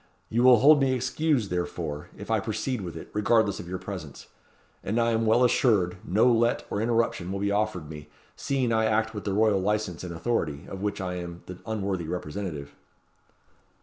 You will hold me excused, therefore, if I proceed with it, regardless of your presence; and I am well assured no let or interruption will be offered me, seeing I act with the royal licence and authority, of which I am the unworthy representative."